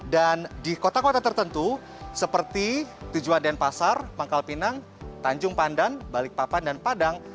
dan di kota kota tertentu seperti tujuan denpasar mangkal pinang tanjung pandan balikpapan dan padang